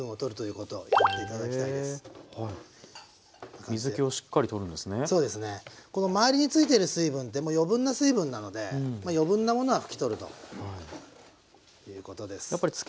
この周りについてる水分ってもう余分な水分なので余分なものは拭き取るということです。